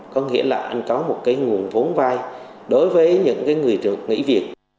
có nghĩa là anh có một cái nguồn vốn vai đối với những cái người nghỉ việc